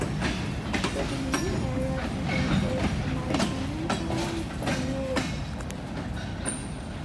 The Dimini area contains both a Mycenean settlement and a Neolithic settlement.